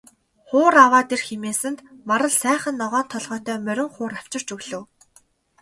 Хуур аваад ир хэмээсэнд Марал сайхан ногоон толгойтой морин хуур авчирч өглөө.